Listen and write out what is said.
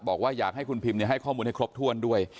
บอกว่าอยากให้คุณพิมให้ข้อมูลให้ครบถ้วนด้วย